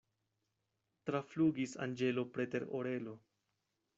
Traflugis anĝelo preter orelo.